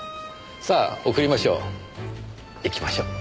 さあ送りましょう。